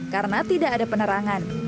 karena tidak ada penerangan